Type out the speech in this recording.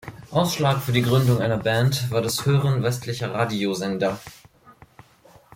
Ausschlag für die Gründung einer Band war das Hören westlicher Radiosender.